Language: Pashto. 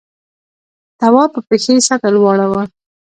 تواب په پښې سطل واړاوه.